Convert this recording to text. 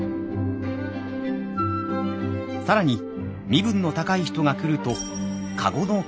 更に身分の高い人が来ると駕籠の担ぎ手も。